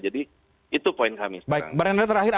jadi itu poin kami sekarang